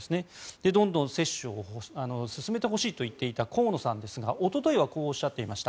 どんどん接種を進めてほしいと言っていた河野さんですが、おとといはこうおっしゃっていました。